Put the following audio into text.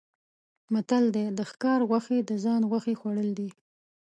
متل دی: د ښکار غوښې د ځان غوښې خوړل دي.